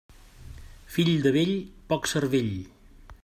Fill de vell, poc cervell.